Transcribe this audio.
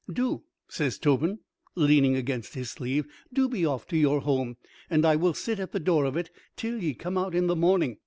"Do," says Tobin, leaning against his sleeve. "Do be off to your home. And I will sit at the door of it till ye come out in the morning.